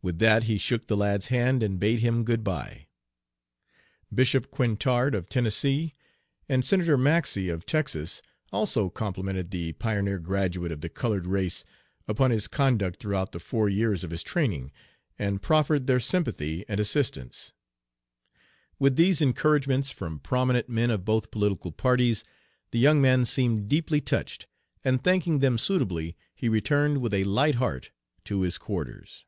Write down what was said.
"With that he shook the lad's hand and bade him good by. "Bishop Quintard, of Tennessee, and Senator Maxey, of Texas, also complimented the pioneer graduate of the colored race upon his conduct throughout the four years of his training, and proffered their sympathy and assistance. With these encouragements from prominent men of both political parties the young man seemed deeply touched, and thanking them suitably he returned with a light heart to his quarters."